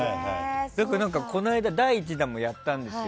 この間、第１弾もやったんですよ。